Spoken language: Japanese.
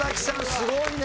すごいね。